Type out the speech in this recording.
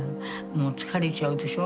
もう疲れちゃうでしょ